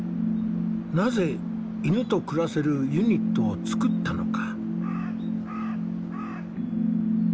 なぜ犬と暮らせるユニットを作ったのか。